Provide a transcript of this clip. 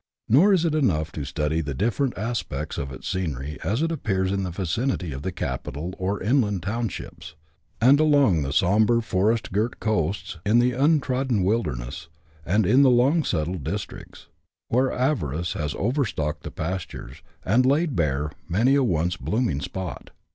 Nor is it enough to study the different aspects of its scenery as it appears in the vicinity of the capital or inland townships, and along the sombre forest girt coasts in the untrodden wilder ness, and in the long settled districts, where avarice has over stocked the pastures, and laid bare many a once blooming spot.